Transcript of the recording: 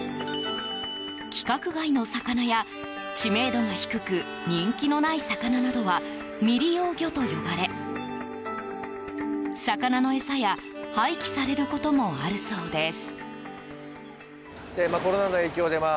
規格外の魚や、知名度が低く人気のない魚などは未利用魚と呼ばれ魚の餌や廃棄されることもあるそうです。